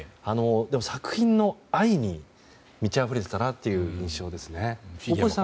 作品の愛に満ちあふれていたなという印象ですね。